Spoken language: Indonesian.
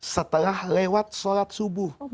setelah lewat sholat subuh